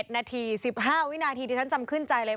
นาที๑๕วินาทีที่ฉันจำขึ้นใจเลย